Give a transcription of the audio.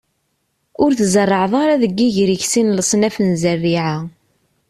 Ur tzerrɛeḍ ara deg yiger-ik sin n leṣnaf n zerriɛa.